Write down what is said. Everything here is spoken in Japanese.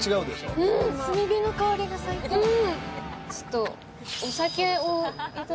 炭火の香りが最高です。